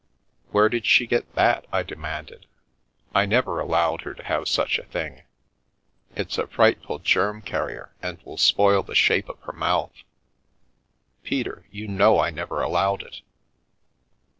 "Where did she get that?" I demanded. "I never no We Increase and Multiply allowed her to have such a thing. It's a frightful germ carrier and will spoil the shape of her mouth. Peter, you know I never allowed it."